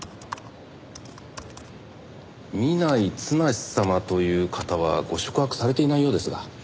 南井十様という方はご宿泊されていないようですが。